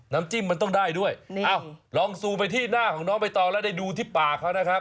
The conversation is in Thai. น้ำจิ้มมันต้องได้ด้วยเอ้าลองซูไปที่หน้าของน้องใบตองแล้วได้ดูที่ปากเขานะครับ